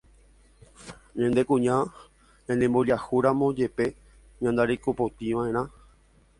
Ñande kuña ñanemboriahúramo jepe ñanderekopotĩva'erã